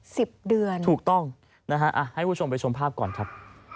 สิบเดือนถูกต้องนะฮะอ่ะให้คุณผู้ชมไปชมภาพก่อนครับ